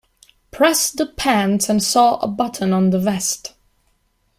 Press the pants and sew a button on the vest.